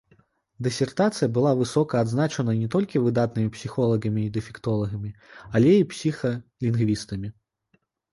Дысертацыя была высока адзначана не толькі выдатнымі псіхолагамі і дэфектолагамі, але і псіхалінгвістамі.